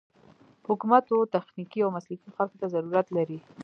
حکومت و تخنيکي او مسلکي خلکو ته ضرورت لري.